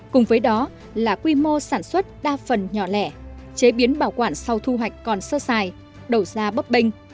cùng với đó là quy mô sản xuất đa phần nhỏ lẻ chế biến bảo quản sau thu hoạch còn sơ sài đầu ra bấp bênh